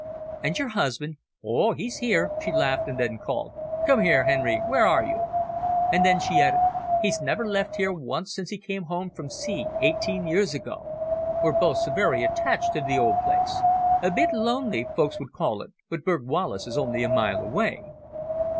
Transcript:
"And your husband?" "Oh! he's here," she laughed, then called, "Come here, Henry, where are you?" and then she added, "He's never left here once since he came home from sea eighteen years ago. We're both so very attached to the old place. A bit lonely, folks would call it, but Burghwallis is only a mile away."